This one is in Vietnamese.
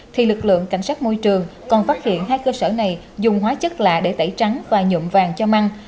thì lực lượng cảnh sát môi trường còn phát hiện hai cơ sở này dùng hóa chất lạ để tẩy trắng và nhuộm vàng cho măng